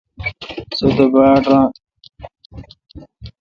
سو تہ باڑ ران۔